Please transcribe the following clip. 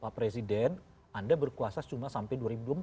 pak presiden anda berkuasa cuma sampai dua ribu dua puluh empat